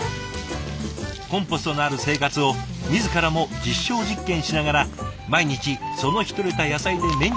コンポストのある生活を自らも実証実験しながら毎日その日とれた野菜でメニューを考える。